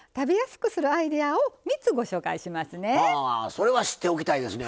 それは知っておきたいですね。